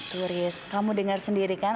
turis kamu dengar sendiri kan